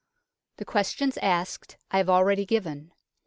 The questions asked I have already given.